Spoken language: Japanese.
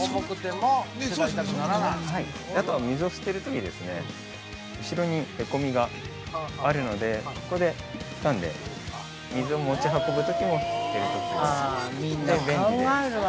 あとは、水を捨てるときに後ろにへこみがあるのでここでつかんで水を持ち運ぶときも捨てるときも便利で。